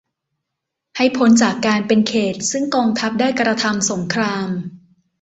ให้พ้นจากการเป็นเขตต์ซึ่งกองทัพได้กระทำสงคราม